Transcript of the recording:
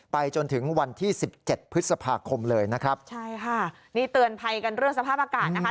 จนถึงวันที่สิบเจ็ดพฤษภาคมเลยนะครับใช่ค่ะนี่เตือนภัยกันเรื่องสภาพอากาศนะคะ